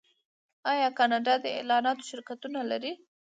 آیا کاناډا د اعلاناتو شرکتونه نلري؟